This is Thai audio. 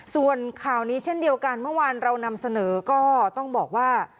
ส่วนข่าวนี้เช่นเดียวกันเมื่อวานเรานำเสนอก็ต้องบอกว่า